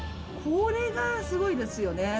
これがすごいですか？